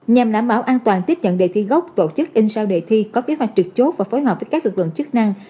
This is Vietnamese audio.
nhằm đảm bảo an toàn tiếp nhận đề thi gốc tổ chức in sau đề thi có kế hoạch trực chốt và phối hợp với các lực lượng chức năng